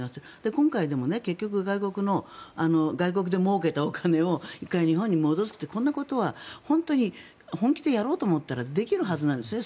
今回、結局、外国でもうけたお金を一回日本に戻すというこんなことは本気でやろうと思ったらできるはずなんですね。